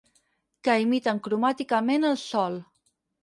Que imiten cromàticament el sol.